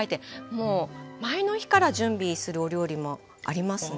もう前の日から準備するお料理もありますね。